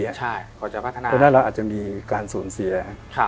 เพราะฉะนั้นเราอาจจะมีการสูญเสีย